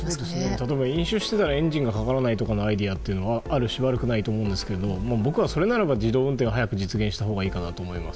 例えば飲酒してたらエンジンがかからないというアイデアというのはある種悪くないと思うんですが僕はそれならば自動運転が早く実現したほうがいいかなと思います。